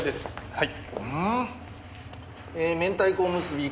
はい。